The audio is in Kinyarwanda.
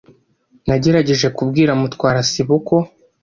Nagerageje kubwira Mutwara sibo ko.